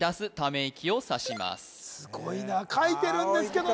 すごいな書いてるんですけどね